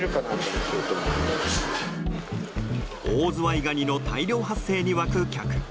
オオズワイガニの大量発生に沸く客。